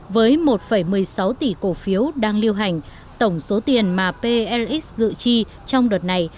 với một một mươi sáu tỷ cổ phiếu đang lưu hành tổng số tiền mà plx dự chi trong đợt này